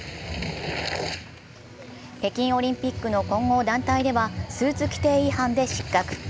北京オリンピックの混合団体ではスーツ規定違反で失格。